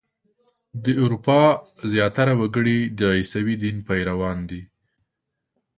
د اروپا زیاتره وګړي د عیسوي دین پیروان دي.